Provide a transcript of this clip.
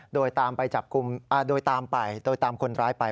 โดยตามไปจับกลุ่มโดยตามไปโดยตามคนร้ายไป